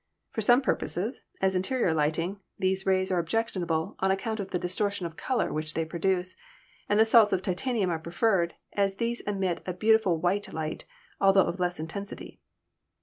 For some purposes — as interior lighting — these rays are objectionable on account of the distortion of color which they produce, and the salts of titanium are preferred, as these emit a beautiful white light, altho of less intensity.